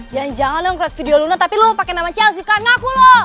jangan jangan lu ngrat video lo tapi lu pakai namanya chelsea kan ngaku lo